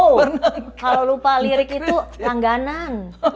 kalau lupa lirik itu langganan